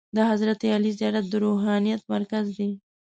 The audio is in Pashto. د حضرت علي زیارت د روحانیت مرکز دی.